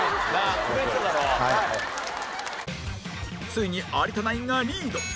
ついに有田ナインがリード！